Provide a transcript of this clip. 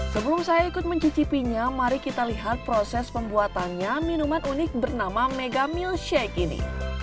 sebelum saya ikut mencicipinya mari kita lihat proses pembuatannya minuman unik bernama megamil shake ini